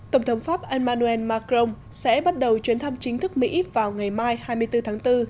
tổng thống pháp emmanuel macron sẽ bắt đầu chuyến thăm chính thức mỹ vào ngày mai hai mươi bốn tháng bốn